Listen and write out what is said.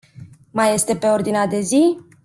Mai este pe ordinea de zi?